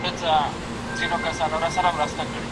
دا رومان د یوې سترې امپراتورۍ د زوال کیسه ده.